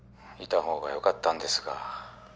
いたほうがよかったんですが。